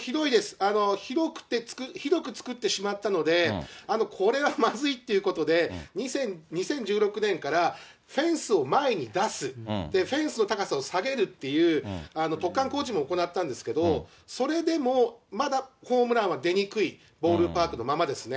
広くつくってしまったので、これはまずいということで、２０１６年からフェンスを前に出す、フェンスの高さを下げるっていう突貫工事も行ったんですけど、それでもまだホームランは出にくいボールパークのままですね。